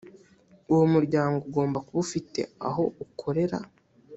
uwo muryango ugomba kuba ufite aho ukorera